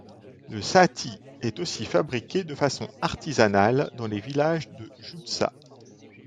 La sahti est aussi fabriquée de façon artisanale dans les villages de Joutsa.